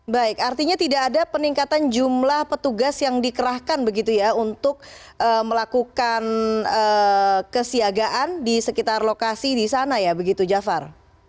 baik artinya tidak ada peningkatan jumlah petugas yang dikerahkan begitu ya untuk melakukan kesiagaan di sekitar lokasi di sana ya begitu jafar